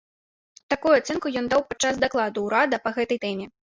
Такую ацэнку ён даў падчас дакладу ўрада па гэтай тэме.